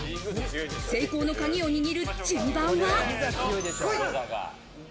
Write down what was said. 成功のカギを握る順番は。